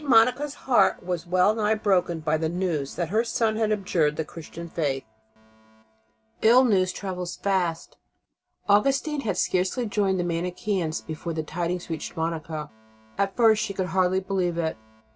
MONICA'S HEART WAS WELL NIGH BROKEN BY THE NEWS THAT HER SON HAD ABJURED THE CHRISTIAN FAITH Ill news travels fast. Augustine had scarcely joined the Manicheans before the tidings reached Monica. At first she could hardly believe it.